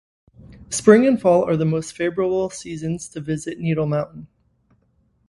Spring and fall are the most favorable seasons to visit Needle Mountain.